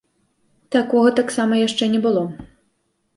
Такога таксама яшчэ не было.